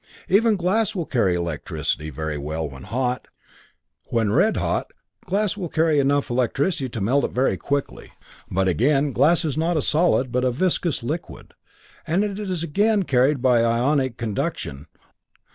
Even glass will carry electricity very well when hot; when red hot, glass will carry enough electricity to melt it very quickly. But again, glass is not a solid, but a viscous liquid, and it is again carried by ionic conduction.